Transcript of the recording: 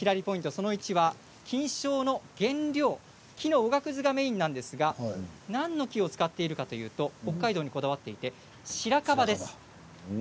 その１は菌床の原料木のおがくずがメインなんですが何の木を使っているかっていうと北海道にこだわっていてシラカバです。